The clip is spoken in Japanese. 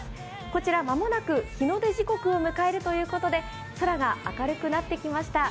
こちら、間もなく日の出時刻を迎えるということで空が明るくなってきました。